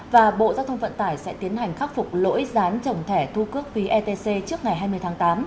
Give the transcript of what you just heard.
và bộ giao thông vận tải sẽ tiến hành khắc phục lỗi dán trồng thẻ thu cước phí etc trước ngày hai mươi tháng tám